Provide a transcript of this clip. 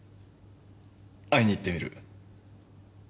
会いに行ってみる。